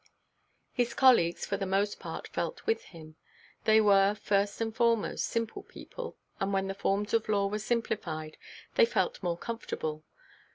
His colleagues, for the most part, felt with him. They were, first and foremost, simple people; and when the forms of law were simplified, they felt more comfortable.